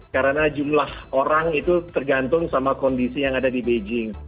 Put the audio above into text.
karena jumlah orang itu tergantung sama kondisi yang ada di beijing